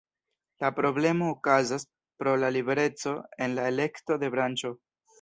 La problemo okazas pro la libereco en la elekto de branĉo.